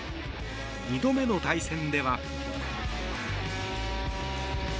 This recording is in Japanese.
２度目の対戦では。